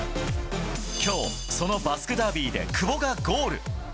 きょう、そのバスク・ダービーで久保がゴール。